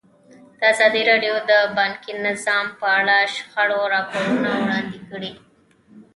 ازادي راډیو د بانکي نظام په اړه د شخړو راپورونه وړاندې کړي.